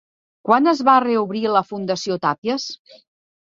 Quan es va reobrir la Fundació Tàpies?